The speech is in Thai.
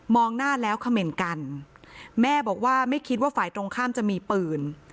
หน้าแล้วเขม่นกันแม่บอกว่าไม่คิดว่าฝ่ายตรงข้ามจะมีปืน